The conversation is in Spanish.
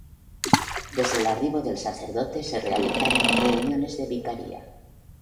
Desde el arribo del sacerdote se realizaron reuniones de Vicaría.